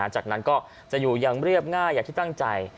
จากนั้นก็จะอยู่อย่างเรียบง่ายอย่างที่ตั้งใจ